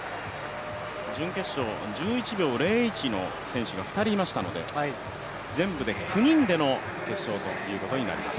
準決勝、１１秒０１の選手が２人いましたので、全部で９人での決勝ということになります。